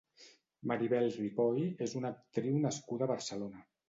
Maribel Ripoll és una actriu nascuda a Barcelona.